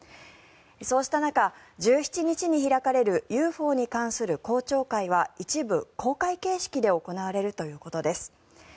そうした中、１７日に開かれるＵＦＯに関する公聴会は一部公開形式で行われるということです。